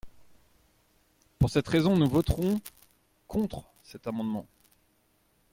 Pour cette raison, nous voterons contre cet amendement.